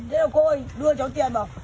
thế đâu cô ơi đưa cháu tiền bảo